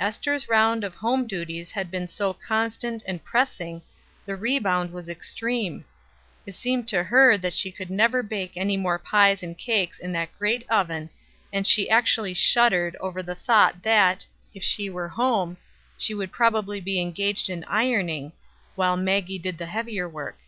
Ester's round of home duties had been so constant and pressing, the rebound was extreme; it seemed to her that she could never bake any more pies and cakes in that great oven, and she actually shuddered over the thought that, if she were at home, she would probably be engaged in ironing, while Maggie did the heavier work.